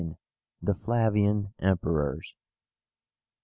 THE FLAVIAN EMPERORS.